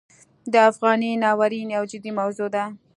د افغانۍ ناورین یو جدي موضوع ده.